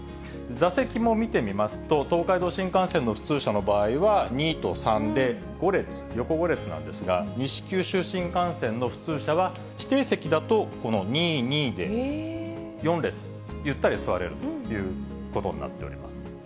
座席も見てみますと、東海道新幹線の普通車の場合は２と３で５列、横５列なんですが、西九州新幹線の普通車は指定席だと、この２、２で４列、ゆったり座れるということになっております。